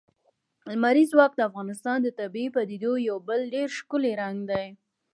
لمریز ځواک د افغانستان د طبیعي پدیدو یو بل ډېر ښکلی رنګ دی.